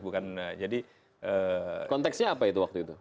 konteksnya apa itu waktu itu